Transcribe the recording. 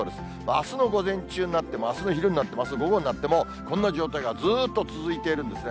あすの午前中になっても、あすの昼になっても、午後になっても、こんな状態がずーっと続いているんですね。